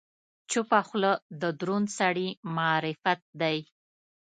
چپه خوله، د دروند سړي معرفت دی.